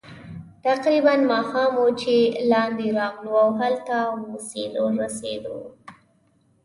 تقریباً ماښام وو چې لاندې راغلو، او هلته ورسېدو.